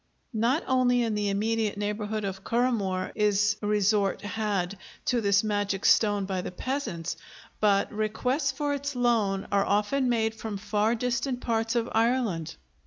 Not only in the immediate neighborhood of Currahmore is resort had to this magic stone by the peasants, but requests for its loan are often made from far distant parts of Ireland.